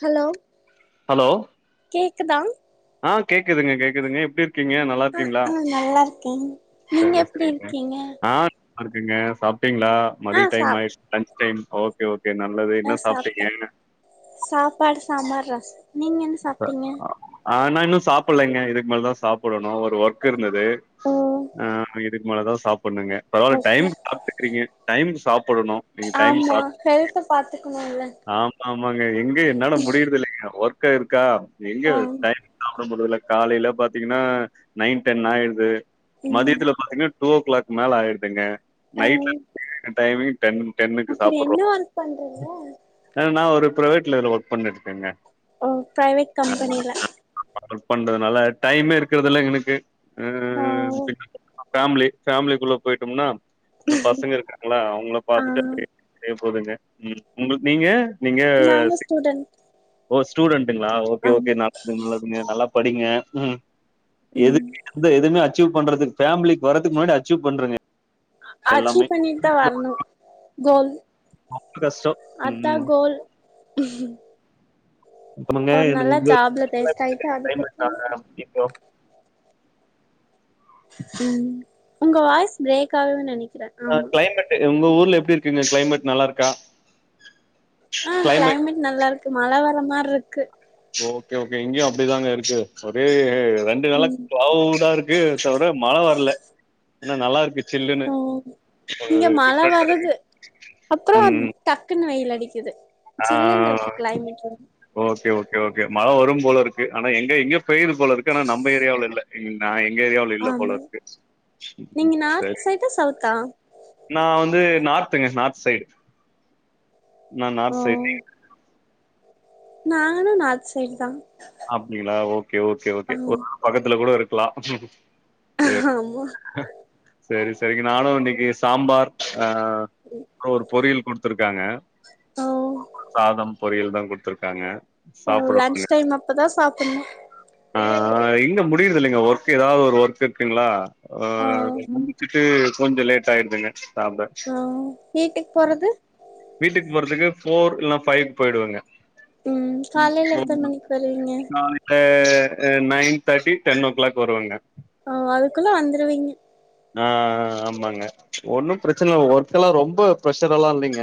Hello hello கேக்குதா ஆ கேக்குதுங்க கேக்குதுங்க எப்டி இருக்கீங்க ந ஆ நல்லார்க்கீங்ளா ஆ நல்லா இருக்கே நீங்க செரி எப்டி செரிங்க இருக்கீங்க ஆ ஆர்க்குங்க சாப்டீங்ளா ஆ மதிய டைம் சாப் ஆயிட்ச் lunch time okay okay okay நல்லது ஆ என்ன சாப்ட்டே சாப்டீங்க சாப்பாடு சாம்பார் ரசம் நீங்க என்ன சாப்ட்டீங்க அ ஆ நா இன்னு சாப்பில்லேங்க இதுக்கு மேலதா சாப்படணு ஒரு ஒர்க்கு இருந்தது ம் ஆ இதுக்கு மேலதா சாப்பணுங்க பரவால ஓகே டைம்கு சாப்ட்டுக்கிறீங்க டைம்கு சாப்படணு ஆமா நீங்க [unintelligible] ஹெல்த்த பாத்துக்கணுல்ல ஆமா ஆமாங்க எங்க என்னால முடிறது இல்லங்க ஒர்க் க்கா இருக்கா எங்க ஆ டைமுக்கு சாப்ட முடிவில்லக் காலைல பாத்தீங்கனா நைன் டென் ஆய்ருது ம் மதியதுல பாத்தீங்னா டூ ஓக் கிளாக் மேல ஆயிடுதுங்க ஆ நைட்ல டைமிங் டென் டென்னுக்கு அப்படி என்ன சாப்பர்றோ ஒர்க் பண்றீங்க அ நா ஒரு பிரைவேட்ல இதல ஒர்க் பண்ணிட்ருக்கேங்க ஓ பிரைவெட் [unintelligible] ஒர்க் பண்றதனால டைமே இருக்கதல்ல எங்னுக்கு அ ஆ ஓ [unintelligible] ஃபேம்லி ஃபேம்லிக்குள்ள போயிட்டோம்னா இன்னும் பசங்க இருக்காங்ளா அவங்ளப் ஆ பாத்துட்டு அப்டியே போதுங்க ம் உங்குள் நீங்க நீங்க சிக் உடன் ஓ ஸ்டூடன்ட்டுங்ளா ஓகே ஓகே நல்லதுங் நல்லதுங்க நல்லா படிங்க ம் ம் எதுக் எந்த எதுவுமே அச்சீவ் பண்றதுக் ஃபேம்லிக் வறத்துக் முன்னாடி அச்சீவ் பண்றங்க எல்லாமே அச்சிவ் பண்ணிட்தா வரணு கோல் ரொம்ப கஷ்டம் அதா ம் கோல் ஆமாங்க ஒரு இந்த- நல்லா இந்த ஜாப்ல ப்ளேஸ்ட் ஆயிட்டு அதுக்கப்றோ ஜிப்ரோ ம் உங்க வாய்ஸ் பிரேக் ஆகுதுன் நெனைக்றே அ கிளைமேட்டு உங்க ஊர்ல எப்டி இருக்குங்க கிளைமேட் நல்லாருக்கா அ கிளைமேட் நல்லாருக்கு மழ வர மார்ருக்கு ஓகே ஓகே இங்கியு அப்டிதாங்க இருக்கு ஒரே ரெண்டு நாள்லக் ம் கிளவுடாருக் இருக்கு தவிர மழ வரல ஆனா நல்லா இருக்கு ஜில்லுனு ம் இங்க ஒரு மழ வருது டிஃப்றென்ட்டாருக் அப்றோ ம் டக்குன்னு வெயில் அடிக்குது ஆ சில்லுனு இருக்கு கிளைமேட் ஓகே ஓகே ஓகே மழ வரும் போல இருக்கு ஆனா எங்க எங்க பெயுது போல இருக்கு ஆனா நம்ம ஏரியாவவுல இல்ல நா எங்க ஏரியாவுல இல்ல போல ஆமா இருக்கு நீங்க நார்த் சரி சைடா சவுத்தா நா வந்து நார்த்துங்க நார்த் சைடு ந நார்த் சைடு நீ நானு நார்த் சைட் தான் அப்படிங்களா ஓகே ஓகே ஓகே ஒரு வேல பக்கத்துல கூட இருக்கலாம் ஆமா சரி சரிங்க நானும் இன்னைக்கு சாம்பார் அ அப்ற ஒரு பொரியல் கொடு த்திருக்காங்க ஓ சாதம் பொரியல் தான் கொடுத்துருக்காங்க ஓ லன்ச் டைம் அப்பதான் சாப்பிடணும் ஆ இன்னு முடியுறது இல்லைங்க ஒர்க் ஏதாவது ஒரு ஒர்க் இருக்குங்களா ஆ [unintelligible] கொஞ்சம் லேட் ஆயிடுதுங்க சாப்ட ஆ வீட்டுக்கு போறது வீட்டுக்கு போறதுக்கு ஃபோர் இல்லாம் ஃபைவ்கு போயிடுவங்க ம் காலைல எத்தன மணிக்கு வருவீங்க [unintelligible] ஹே nine thirty ten o'clock வருவேங்க ஓ அதுக்குள்ள வந்துருவீங் நா ஆமாங்க ஒன்னும் பிரச்சன இல்லங்க ஒர்க் எல்லாம் ரொம்ப பிரஷர் எல்லாம் இல்லைங்க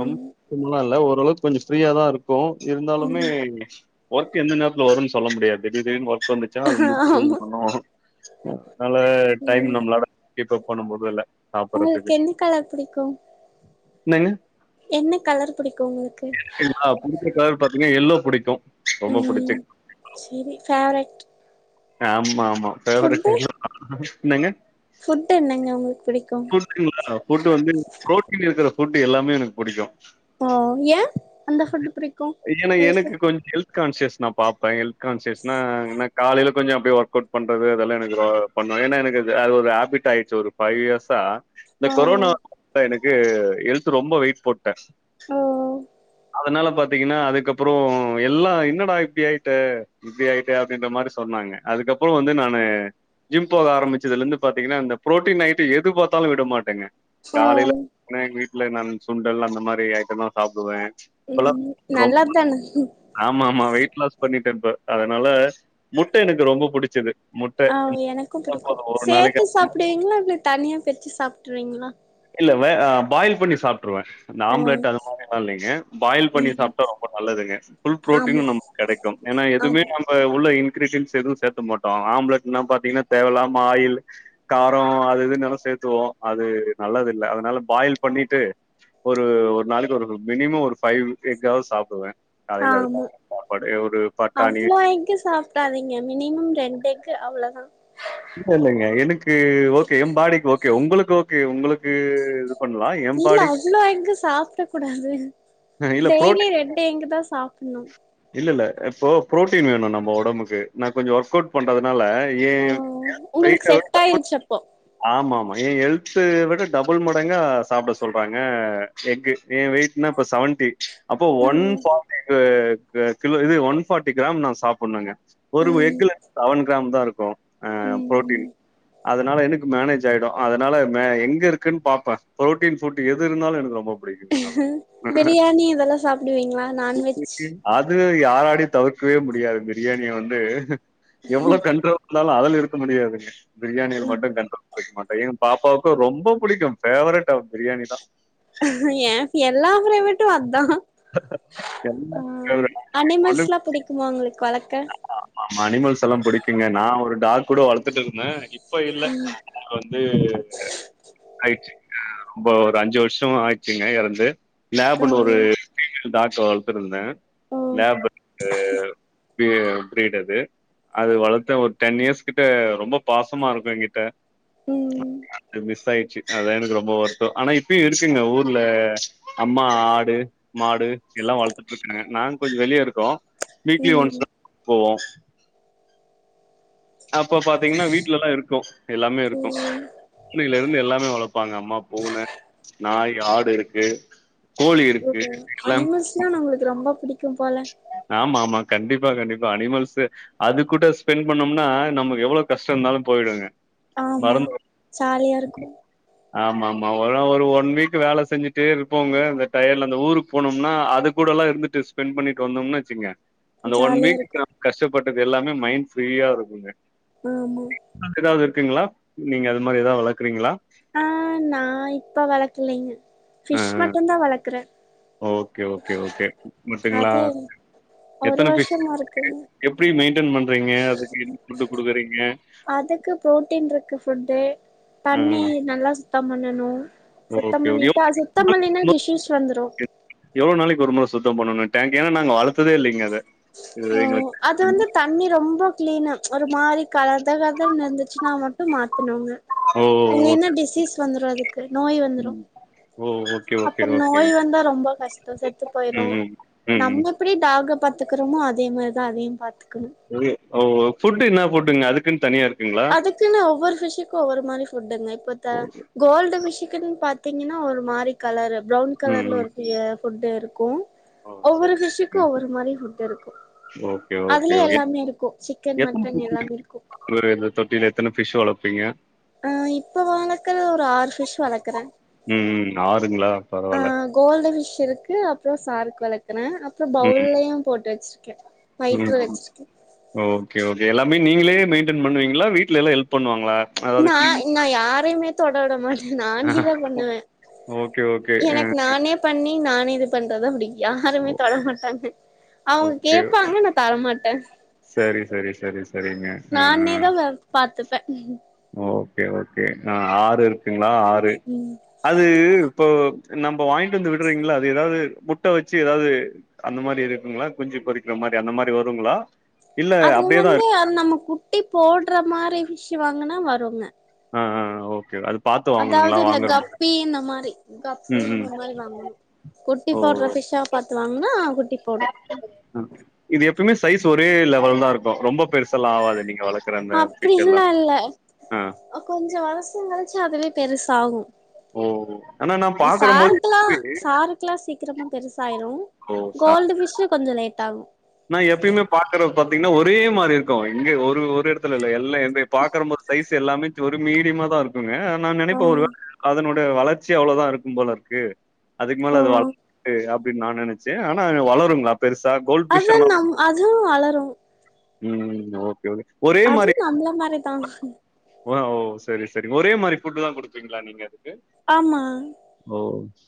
ரொம்ப [unintelligible] இல்ல ஓரளவுக்கு கொஞ்சம் ஃப்ரீயாதான் இருக்கும் இருந்தாலுமே ம் ஒர்க் எந்த நேரத்துல வரும்னு சொல்ல முடியா திடீர்னு ஒர்க் வந்து [unintelligible] ஆமா அதுனால டைம் ம் நம்மளால கீப்பப் பண்ண முடியல ஒங்களுக்கு சாப்பிட்றதுக்கு எந்த கலர் பிடிக்கும் என்னங்க என்ன கலர் பிடிக்கும் ஒங்களுக்கு என்ன கலர் பாத்தீங்கன்னா யெல்லோ பிடிக்கும் ரொம்ப பிடிச்ச சேரி கேரட் ஆமா ஆமா ஃபேவரெட் [unintelligible] என்னங்க ஃபுட் என்னங்க உங்களுக்கு பிடிக்கும் ஃபுட்டு [unintelligible] ஃபுட்டு வந்து ப்ரோட்டீன் இருக்கிற ஃபுட்டு எல்லாமே எனக்கு பிடிக்கும் ஓ ஏன் அந்த ஃபுட்டு பிடிக்கும் உங்களுக்கு கான்சியஸ்னா பாப்பே ஹல்த் கான்சியஸ்னா எனக் காலையில் கொஞ்சம் அடிய ஒர்க் அவுட் பண்ணுறது அதெல்லாம் எனக்கு பண்ணோம் ஏன்னா எனக்கு அது ஒரு ஹேபிட் ஆயிடுச்சு ஒரு ஃபைவ் இயர்ஸா இந்த ஓ கொரோனா எனக்கு ஹெல்த் ரொம்ப வெயிட் போட்டேன் ஓ அதனால பாத்தீங்கன்னா அதுக்கப்பறம் எல்லாம் என்னடா இப்டி ஆயிட்ட இப்டி ஆயிட்ட அப்டின்ற மாரி சொன்னாங்க அதுக்கப்பறம் வந்து நானு ஜிம் போக ஆரம்பிச்சதுல இருந்து பாத்தீங்கன்னா இந்த பு்ரோட்டீன் ஐடம் எது பாத்தாலும் விட மாட்டேங்க ஓ காலையில எங்க வீட்டுல நான் சுண்டல் அந்த மாரி ஐட்டம்ல்லாம் சாப்பிடுவேன் ம் நல்லதான ஆமா ஆமா வெயிட் லாஸ் பண்ணிட்டே இருப்ப அதனால முட்டை எனக்கு ரொம்ப பிடிச்சது ஆ எனக்கும் பிடிக்கும் சேர்த்து நாளைக்கு சாப்பிடுவீங்களா இல்ல தனியா பிரிச்சு சாப்ட்டுருவீங்களா இல்ல வே ஆ பாயில் பண்ணி சாப்ட்ருவேன் இந்த ஓ ஆம்லெட் அது மாதிரில்லாம் இல்லேங்க பாயில் பண்ணி ம் சாப்ட்டா ரொம்ப நல்லதுங்க புல் பு்ரோட்டீன் ஆமா நமக்கு கெடைக்கு ஏன்னா எதுமே ஆமா நம் இப்ப உள்ள இன்கிரீசின்ஸ் எதுவு சேர்த்த மாட்டோ ஆம்லெட்னா பாத்தீங்கன்னா தேவ இல்லாம ஆயில் காரோ அது இதுன்னு எல்லா சேத்துவோ அது நல்லது இல்ல அதனால பாயில் பண்ணீட்டு ஒரு ஒரு நாளைக்கு ஒரு மினிமம் ஒரு ஃபைவ் எக்காது சாப்புடுவே காலையில அதுதா ஆமா சாப்பாடு ஒரு பட்டாணி பத்தாதிங்க மினிமம் ரெண்டு எஃக்கு அவ்வளதா இல்ல இல்லங்க எனக்கு ஓகே எம் பாடிக்கு ஓகே உங்களுக்கு ஓகே உங்களுக்கு பண்ணலாம். என் இல்ல பாடிக்கு அவ்ளோ எஃகு சாப்புட கூடாது இல்ல புரோ டெய்லி ரெண்டு எஃகுதா சாப்புணு இல்ல இல்ல இப்போ பு்ரோட்டீன் வேணு நம்ம ஒடம்புக்கு நா கொஞ்சோ ஒர்க் அவுட் பண்றதுனால ஏ [inaudible] ஓ உங்களுக்கு செட் டபுள் ஆயிருச்சு அப்போ ஆமாம்மா எ ஹெல்த்து விட டபுள் மடங்கா சாப்புட சொல்றாங்க எஃகு எ வெயிட்னா இப்ப சவன்ட்டி அப்போ ஒன் ம் [inaudible] கு கு கிலோ இது ஒன் ஃபாட்டி கிராம் நா சாப்புன்னுங்க ஒரு ம் எஃகுல சவன் கிராம் தா இருக்கு அ ப்ரோட்டீன் ம் அதனால எனக்கு மேனேஜ் ஆயிடு அதனால மே எங்க இருக்குன்னு பாப்ப ப்ரோட்டீன் புட் எது இருந்தாலு எனக்கு ரொம்ப பிடிக்குங்க. நான் பிரியாணி இதெல்லா சாப்பிடுவீங்களா நான்வெஜ் அது யாராடி தவிர்க்கவே முடியாது பிரியாணிய வந்து எவ்வளோ கண்ட்ரோ இருந்தாலு அது நிறுத்த முடியாதுங்க பிரியாணிய மட்டு கண்ட்ரோ டிக்க மாட்டே எ பாப்பாவுக்கு ரொம்ப புடிக்கு பேவரட் அவ பிரியாணி தா ஏ [unintelligible] ட்டு அதா அ எல்லாமே அனிமல்ஸ்லா புடிக்குமா உங்களுக்கு வளக்க அ ஆமா அனிமல்ஸ் எல்லா புடிக்குங்க நா ஒரு டாக் கூட வளத்துட்டுருந்தே இப்ப இல்ல [inaudible] வந்து ஆயிருச்சு இங்க ரொம்ப ஒரு அஞ்சு வருஷோ ஆயிடுச்சுங்க எறந்து லேபுன்னு ஒரு ம் பிமேல் டாக்க வளத்துருந்த ம் லேப் அ பி பிரீடு அது அது வளத்த ஒரு டென் இயர்ஸ் கிட்ட ரொம்ப பாசமா இருக்கு எங்கிட்ட ம் அது மிஸ் ஆயிருச்சு அதா எனக்கு ரொம்ப வறுதோ அனா இப்பயு இருக்குங்க ஊர்ல அம்மா ஆடு மாடு எல்லா வளத்துட்டுருக்காங்க நாங்க கொஞ்சோ வெளிய இருக்கோ வீக்லி ஒன்ஸ் ம் தா போவோ அப்ப பாத்திங்ன்னா வீட்லெல்லா இருக்கு எல்லாமே இருக்கு ம் னையில்ல எதுமே எல்லாமே வளப்பாங்க அம்மா பூன நாய் ஆடு இருக்கு கோழி இருக்கு ஓ எல்லாம் அனிமல்ஸ்னா நம்மளுக்கு ரொம்ப புடிக்கு போல ஆமாம்மா கண்டிப்பா கண்டிப்பா அனிமல்ஸு அது கூட ஸ்பென் பண்ணோம்னா நமக்கு எவ்வளோ கஷ்டோ இருந்தாலு போயிடுங்க ஆமா மறந் [inaudible] ஜாலியா இருக்கு ஆமாம்மா ஒரு ஒரு ஒன் வீக் வேல செஞ்சுட்டே இருப்போங்க அந்த டயடுல அந்த ஊருக்கு போனம்னா அது கூடலா இருந்துட்டு ஸ்பென்ட் பண்ணிட்டு வந்தொம்னா வெச்சுங்க அந்த ஒன் ஜாலியா இருக்கு வீக்குக்கு கஷ்டப்பட்டது எல்லாமே மைண்ட் ஃப்ரீயா இருக்குங்க ஆமா அங்க எதாவது இருக்குங்களா நீங்க அது மாதிரி எதாவ்து வளக்குறிங்ளா ஆ நா இப்ப வளக்கலிங்க ஆ பிஷ் மட்டு தா வளக்கற ஓகே ஓகே ஓகே முசுங்களா ஒரு எத்தன பிஷ் வருஷமா இருக்குங்க [inaudible] எப்படி மெயின்டைன் பண்றீங்க அதுக்கு என் ஃபுட்டு குடுக்குறீங்க அதுக்கு ப்ரோட்டீன் இருக்கு ஃபுட்டு ஆ ஆ. தண்ணி நல்லா சுத்தோ பண்ணணு ஓகே, சுத்தம் ஓகே. எவ்ளோ பண்ணிட்டா சுத்தம் பண்லினா டிஷிஸ் வந்துரு எவ்ளோ நாளைக்கு ஒரு முற சுத்தம் பண்ணணு டேங்க் ஏனா நாங்க வளர்த்ததே இல்லைங்க அத இது ம் எங்களுக்கு அது வந்து தண்ணி ரொம்ப கிளீனா ஒரு மாரி கத கதனு இருந்துச்சுனா மட்டும் மாத்தனுங்க ஓ! இல்லைன்னா ஓகே. டிசீஸ் வந்துரு அதுக்கு நோய் வந்துரு ஓ ஓக் அப்ப நோய் வந்தா ரொம்ப கஷ்டொ செத்து போயிரு ம், ம். ம், ம். நம்ம எப்டி டாக்க பாத்துக்கறோமோ அதே மாரிதா அதையு பாத்துக்கணு ஓ ஃபுட்டு என்ன ஃபுட்டுங்க அதுக்குன் தனியா இருக் அதுக்குன்னு ஒவ்வொரு ஃபிஷுக்கு ஒவ்வொரு மாரி ஃபுட்டுங்க இப்பத்த ஓ! கோல்டு ஃபிஷ்க்குன்னு பாத்தீங்கன்னா ஒரு மாரி கலரு ப்ரவுன் ம், கலர்ல ம். ஒரு ய ஃபுட் இருக்கு ஓ! ஒவ்வொரு சரி, சரிங்க. ஃபிஷுக்கு ஒவ்வொரு மாரி ஃபுட் இருக்கு ஓகே, ஓகே. அதுலே எத் எல்லாமே இருக்கு சிக்கன் மட்டன் எல்லாமே இருக்கு ஒரு இந்த தொட்டில எத்தன ஃபிஷ் வளப்பீங்க ஆ இப்ப வளக்கல் ஒரு ஆறு ஃபிஷ் வளக்குறே ம். ஆ பரவால்ல. கோல்டு ஃபிஷ் இருக்கு அப்றோ சார்க் வளக்குறே அப்றோ பவுல்லையு போட்டு வச்சிருக்கே ம் வயிற்று ம் வச்சிருக்கே ஓகே ஓகே எல்லாமே நீங்களே மெயின்டென் பண்ணுவீங்களா வீட்ல எல்லா ஹெல்ப் பண்வாங்களா நா நா யாரையுமே தொட விடமாட் நானேதா பண்ணுவ ஓகே, ஓகே. அ எனக்கு நானே பண்ணி நானே இது பண்றதா புடிக்கு ஓ யாருமே தொடமாட்டாங்க அவங்க ஓகே. கேப்பாங்க நா தரமாட்ட சரி சரி சரி சரிங்க ஆ நானே தா வ பாத்துப்பே ஓகே ஓகே ஆ ஆறு இருக்குங்ளா ஆறு அது இப்போ நம்ப வாங்கிட்டு வந்து விடுறீங்களா அது எதாவது முட்ட வச்சு எதாவ்து அந்த மாரி இருக்குங்களா குஞ்சு பொறிக்கிற மாரி அந்த மாரி வருங்களா இல்ல அது அப்படியே தான் வந்து இருக்கு. அது நம்ம குட்டி போடுற மாரி ஃபிஷ் வாங்கன்னா வருங்க ஆ ஆ ஓகே அது பாத்து அதாவ்து வாங்கணுங்களா? இந்த வாங்குற மாரி. கப்பி இந்த மாரி கப்பி ம், ம். இந்த மாரி வாங்கணு குட்டி ஓ! போடுற ஃபிஷ்ஷா பாத்து வாங்குனா குட்டி போடு அ இது எப்பயுமே சைஸ் ஒரே லெவல்தா இருக்கு ரொம்ப பெருசெல்லா ஆவாது நீங்க வளக் குற அந்த ஃபிஷ் எல்லாம் ஆ அ கொஞ்சொ வருஷொ கழிச்சு அதுவே பெருசாகு ஓ ஆனா நா இ பாக்குறம் போது சார்க்குலா எப்பயுமே- சார்க் க்லா சீக்கிரமா பெருசாயிரு ஓ சா கோல்டு ஃபிஷு கொஞ்சொ லேட்டாகு நா எப்பயுமே பாக்குறது பாத்தீங்கன்னா ஒரே மாரி இருக்கு இங்க ஒரு ஒரு எடத்துல இல்ல எல்லா ம்பே பாக்குறம்போ சைஸ் எல்லாமே ஒரு மீடியமாதா இருக்குங்க நா ஆ நெனைப்ப ஒரு வேல அதனோ ட வளர்ச்சி அவ்ளோதா இருக்கும் போல இருக்கு அதுக்கு மேல ஓ அது வளராது அப்டின்னு நா நெனச் ச ஆனா வளருங்லா பெருசா கோல் அதா நம் அதுவு வளரு ம் ஓகே ஓகே ஒரே மாரி அதுவு நம்ள மாரிதா ஓ ஓ செரி செரி ஒரே மாரி ஃபுட்டு்தா குடுப்பீங்ளா நீங்க அதுக்கு ஆமா ஓ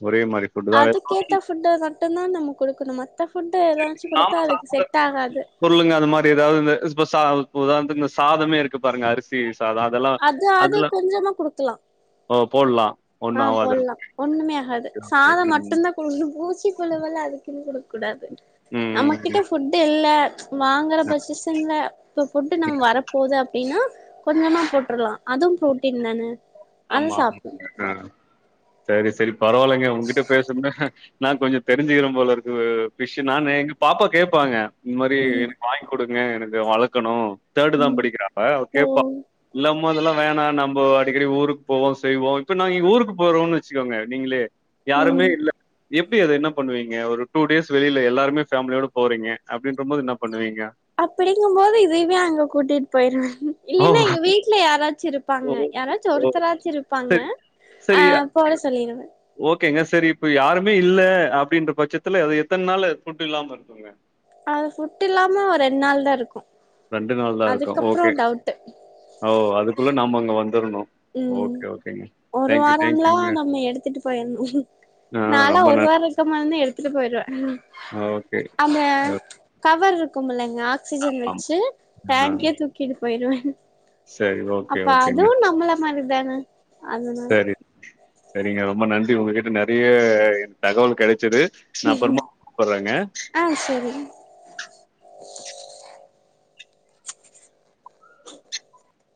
ஒரே மாரி ஃபுட்டு தா அதுக்கேத்த ஃபுட்டு மட்டு தா நம்ம குடுக்கணு மத்த ஃபுட்டு எதா நா சாப்டாச்சு நீங்க பொருளுங்க அது மாரி ஏதாது இந்த இப்ப ச உதாரணத்துக்கு இந்த சாதமே இருக்கு பாருங்க அரி சி சாதோ அதெல்லா அது அது அதுலா கொஞ்சமா குடுக்கலா ஓ போட்லா ஆ போட்லா ஒன்னுமே ஆகாது ஓகே சாதம் ம் மட்டும் தா பூழு பூச்சி புழுவெல்லா அதுக்குன்னு குடுக் கூடாது ம் நம்மகிட்ட ம் ஃபுட் இல்ல வாங்குற பொசிசன்ல இப்ப ஃபுட்டு நம் வரப்போது அப்டின்னா கொஞ்சமா போட்டுறலா அதுவு ப்ரோட்டீன் தானே ஆமா ஆமா ஆ சேரி சேரி பரவாலங்க உங்கிட்டபேசுன நான் கொஞ்சோ தெரிஞ்சிக்கிற போல இருக்கு ஃபிஷ் நானு எங்க பாப்பா கேப்பாங்க இந்த மாரி ம் வாங்கி குடுங்க எனக்கு வளக்கணு தேர்டு தா ம் படிக்கிறா அவ ஓ கேப்பா இல்லா அம்மு அதெல்லா வேணா நம்போ அடிக்கடி ஊருக்கு போவோ செய்வோ இப்ப நாங்கங்க ஊருக்கு போறோம்னு வெச்சுக்கோங்க நீங்களே ம் யாருமே இல்ல எப்டி அது என்ன பண்ணுவீங்க ஒரு டூ டேஸ் வெளில எல்லாருமே ஃபேமிலியோட போறீங்க அப்டின்ற போது என்ன பண்ணுவீங்க அப்டிங்கும் போது இதைமே அங்க கூட்டிட்டு போயிருவே ஓ இல்லேன்னா எங்க வீட்டுல யாராச்சு இருப்பாங்க ஓ யாராச்சு ஓ ஒருத்தராச்சும் இருப்பாங்க ஆ சரி போட சொல்லிறுவே ஓகேங்க செரி இப்ப யாருமே இல்ல அப்டின்ற பட்சத்துல அத எத்தன நாளு ஃபுட்டு் இல்லாம இருக்குங்க அது ஃபுட்டு இல்லாம ஒரு ரெண்டு நாள் தா இருக்கு ரெண்டு நாள் தா இருக்கு அதுக்கப்றோ ஓகே டவுட்டு அதுக்குள்ள நாம அங்க வந்துறணு ம் ஒரு வாரம்லா தேங்க்யூங்க நம்ம எடுத்துட்டு போயிடணு ஆ நாலா ரொம்ப ஒரு நன் வாரம் இருக்க மான்னே எடுத்துட்டு போயிருவே ஓகே அந்த கவர் இருக்கும் இல்லங்க ஆக்சிஜன் ஆமா வெச்சி ஆ பெங்கிய தூக்கிட்டு போயிருவே சரி ஓகே அப்ப ஓகேங்க அதுவு நம்மள மாரி தானே அதனால செரிங்க ரொம்ப நன்றி உங்ககிட்ட நெறைய தகவல் கெடைச்சது நா அப்பறமா கூப்பட்றேங்க ஆ செரி